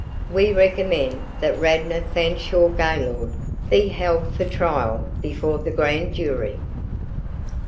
We recommend that Radnor Fanshaw Gaylord be held for trial before the Grand Jury."